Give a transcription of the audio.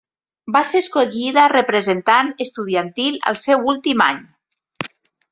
Va ser escollida representant estudiantil al seu últim any.